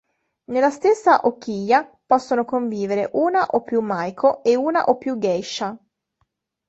Nella stessa "okiya" possono convivere una o più "maiko" e una o più "geisha".